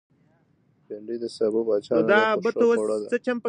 بېنډۍ د سابو پاچا نه ده، خو ښه خوړه ده